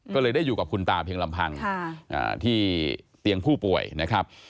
ก็เลยได้อยู่กับคุณตาเพียงลำพังที่เตียงผู้ป่วยนะครับ